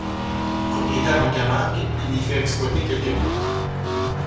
Propriétaire en Camargue, il y fait exploiter quelques biens.